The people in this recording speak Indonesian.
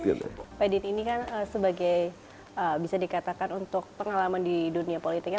pak dit ini kan sebagai bisa dikatakan untuk pengalaman di dunia politiknya